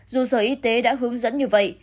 dù sở y tế đã hướng dẫn như vậy